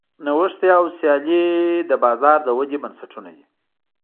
نوښت او سیالي د بازار د ودې بنسټونه دي.